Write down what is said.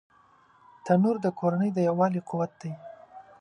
تنور د کورنۍ د یووالي قوت دی